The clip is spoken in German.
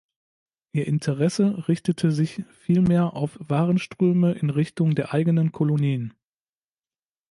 Ihr Interesse richtete sich viel mehr auf Warenströme in Richtung der eigenen Kolonien.